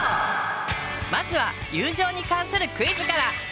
まずは友情に関するクイズから。